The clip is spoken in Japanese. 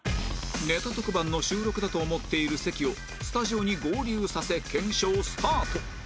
ネタ特番の収録だと思っている関をスタジオに合流させ検証スタート